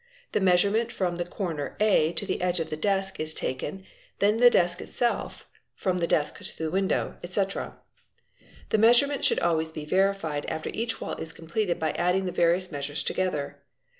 The measure : ment from the corner @ to the edge of the desk is taken, then the desk itself, then from the desk to the window, etc. The measurements should — always be verified after each wall is completed by adding the various — measures together.